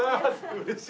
うれしい。